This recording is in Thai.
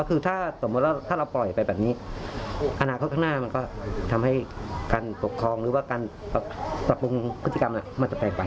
ใช่ครับถ้าเราโปร่อยไปแบบนี้อนาคตข้างหน้าก็จะทำให้การสกกรองหรือผลักษณ์การปรับปรุงกฤติกรรมจะแปลกไป